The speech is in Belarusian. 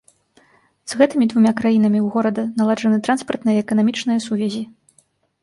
З гэтымі двума краінамі ў горада наладжаны транспартныя і эканамічныя сувязі.